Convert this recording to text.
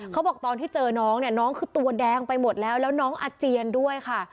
เขาบอกตอนที่เจอน้องเนี่ยน้องคือตัวแดงไปหมดแล้วแล้วน้องอาเจียนด้วยค่ะ